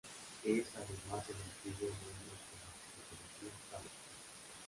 Es además el antiguo nombre con el que se conocía Tánger.